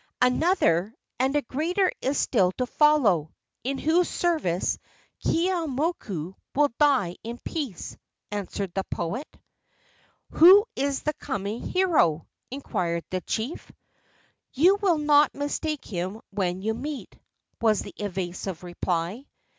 "Another and a greater is still to follow, in whose service Keeaumoku will die in peace," answered the poet. "Who is the coming hero?" inquired the chief. "You will not mistake him when you meet," was the evasive reply.